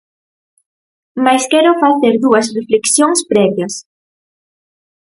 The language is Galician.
Mais quero facer dúas reflexións previas.